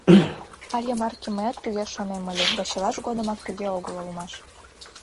Але марке мыят туге шонем ыле, да чылаж годымак туге огыл улмаш.